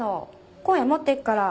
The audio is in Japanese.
今夜持っていくから。